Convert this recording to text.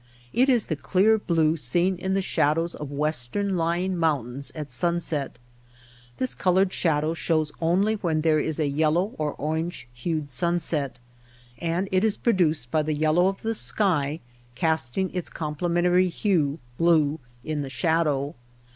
It is the clear blue seen in the shadows of western lying mountains at sunset. This colored shadow shows only when there is a yellow or orange hued sunset, and it is produced by the yellow of the sky casting its complementary hue (blue) in the shadow.